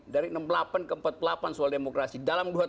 dari enam puluh delapan ke empat puluh delapan soal demokrasi dalam dua tahun ini